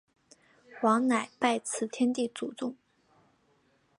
王乃拜辞天地祖宗。